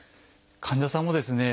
患者さんもですね